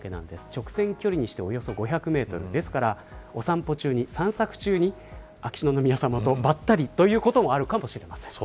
直線距離でおよそ５００メートルですから、お散歩中に秋篠宮さまとばったりということもあるかもしれません。